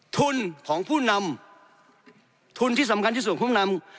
ทุนของผู้นำทุนที่สำคัญที่สุดของผู้นำ